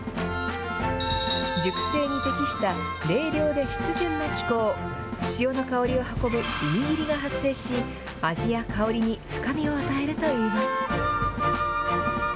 熟成に適した冷涼で湿潤な気候、潮の香りを運ぶ海霧が発生し、味や香りに深みを与えるといいます。